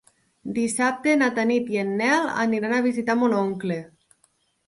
Dissabte na Tanit i en Nel aniran a visitar mon oncle.